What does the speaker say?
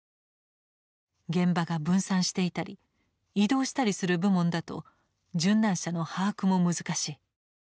現場が分散していたり移動したりする部門だと殉難者の把握も難しい。